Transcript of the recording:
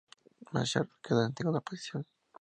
Marshall quedó en segunda posición.